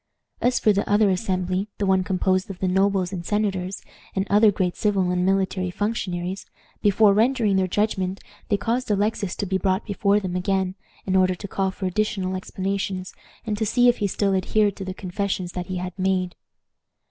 As for the other assembly, the one composed of the nobles and senators, and other great civil and military functionaries, before rendering their judgment they caused Alexis to be brought before them again, in order to call for additional explanations, and to see if he still adhered to the confessions that he had made.